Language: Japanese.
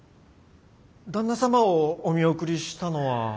旦那様をお見送りしたのは。